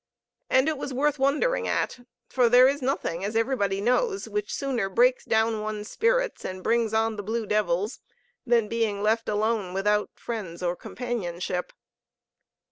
And it was worth wondering at, for there is nothing, as everybody knows, which sooner breaks down one's spirits and brings on the blue devils than being left alone, without friends and companionship.